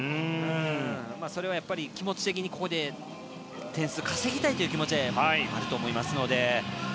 それは気持ち的に、ここで点数稼ぎたいという気持ちはあると思いますので。